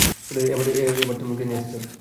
এ আবার তুমি কি নিয়ে এসেছ?